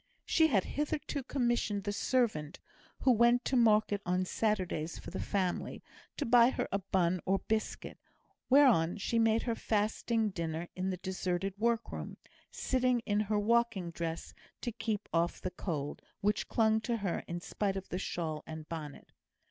She had hitherto commissioned the servant, who went to market on Saturdays for the family, to buy her a bun or biscuit, whereon she made her fasting dinner in the deserted workroom, sitting in her walking dress to keep off the cold, which clung to her in spite of shawl and bonnet.